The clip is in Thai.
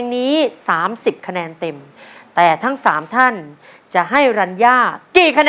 ดีใจมาก